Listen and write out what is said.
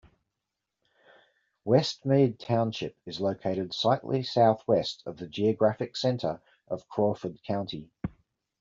West Mead Township is located slightly southwest of the geographic center of Crawford County.